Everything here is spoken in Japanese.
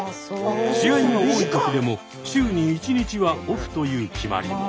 試合が多い時でも週に１日はオフという決まりも。